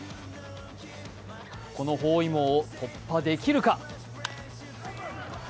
この包囲網を突破できるか。